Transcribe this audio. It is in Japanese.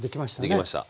できました。